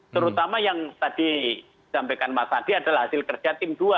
terutama yang tadi sampaikan mas adi adalah hasil kerja tim dua